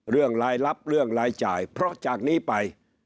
รายลับเรื่องรายจ่ายเพราะจากนี้ไป